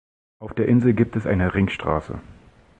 Auf der Insel gibt es eine Ringstraße.